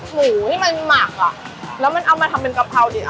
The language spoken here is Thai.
หมูนี่มักแล้วมันเอามาทำเป็นกะเพราตรี